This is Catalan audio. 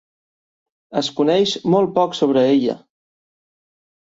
Es coneix molt poc sobre ella.